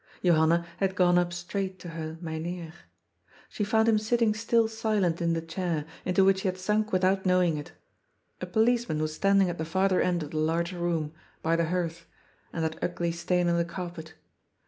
Johanna had gone up straight to her " Mynheer." She found him sitting still silent in the chair, into which he had sunk without knowing it. A policeman was standing at the farther end of the large room, by the hearth — and that ugly stain on the carpet.